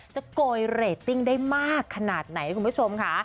โกยเรตติ้งได้มากขนาดไหนคุณผู้ชมค่ะ